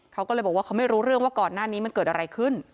เขาก็เลยบอกว่าเขาไม่รู้เรื่องว่าก่อนหน้านี้มันเกิดอะไรขึ้น